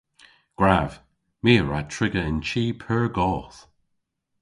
Gwrav! My a wra triga yn chi pur goth.